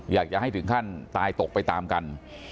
อยากจะให้ถึงขั้นตายตกไปตามกัน